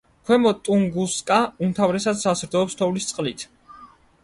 ქვემო ტუნგუსკა უმთავრესად საზრდოობს თოვლის წყლით.